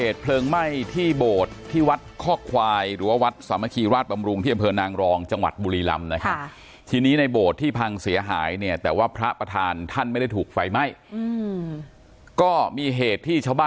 ท่านผู้ชมครับมีเหตุ